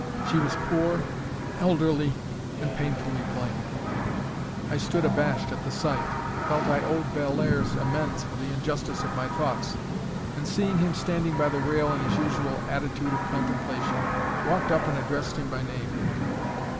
She was poor, elderly, and painfully plain; I stood abashed at the sight, felt I owed Bellairs amends for the injustice of my thoughts, and seeing him standing by the rail in his usual attitude of contemplation, walked up and addressed him by name.